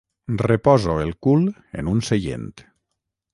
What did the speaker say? Reposo el cul en un seient.